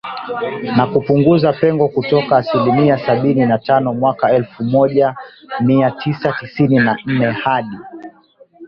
na kupunguza pengo kutoka asilimia sabini na tano mwaka elfu moja mia tisa tisini na nne hadi